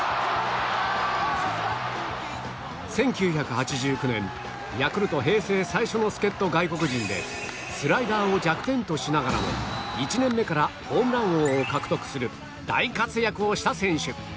１９８９年ヤクルト平成最初の助っ人外国人でスライダーを弱点としながらも１年目からホームラン王を獲得する大活躍をした選手